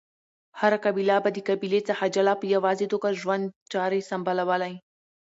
هره قبیله به د قبیلی څخه جلا په یواځی توګه ژوند چاری سمبالولی